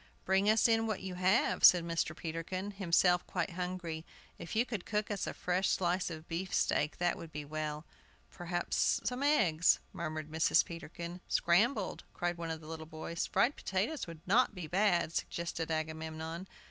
"Bring us in what you have," said Mr. Peterkin, himself quite hungry. "If you could cook us a fresh slice of beefsteak that would be well." "Perhaps some eggs," murmured Mrs. Peterkin. "Scrambled," cried one of the little boys. "Fried potatoes would not be bad," suggested Agamemnon.